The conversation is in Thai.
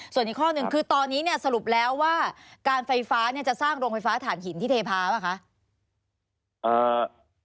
ส่วนอีกข้อหนึ่งคือตอนนี้เนี่ยสรุปแล้วว่าการไฟฟ้าจะสร้างโรงไฟฟ้าฐานหินที่เทพาป่ะคะ